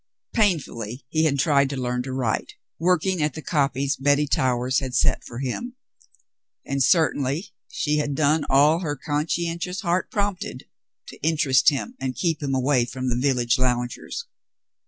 Painfully he had tried to learn to write, working at the copies Betty Towers had set for him, — and certainly she had done all her conscientious heart prompted to interest him and keep him away from the village loungers.